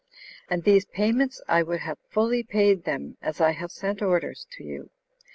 And these payments I would have fully paid them, as I have sent orders to you.